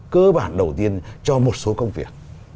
cơ bản đầu tiên cho một số công việc